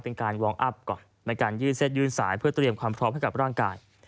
เป็นการวอร์มอัพก่อนในการยื่นเส้นยื่นสายเพื่อเตรียมความพร้อมให้กับร่างกาย